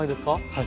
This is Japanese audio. はい。